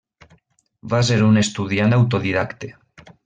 Va ser un estudiant autodidacte.